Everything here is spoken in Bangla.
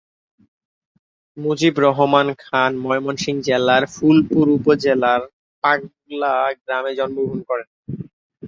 মুজিবুর রহমান খান ময়মনসিংহ জেলার ফুলপুর উপজেলার পাগলা গ্রামে জন্মগ্রহণ করেন।